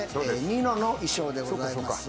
ニノの衣装でございます。